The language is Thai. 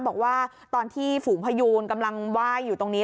บอกว่าตอนที่ฝูงพยูนกำลังไหว้อยู่ตรงนี้